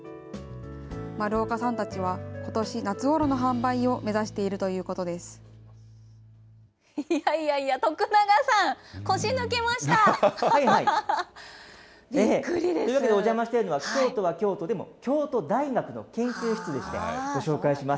丸岡さんたちは、ことし夏ごろの販売を目指しているということです。